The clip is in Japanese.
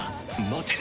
待て。